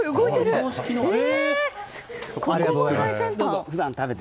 ここも最先端。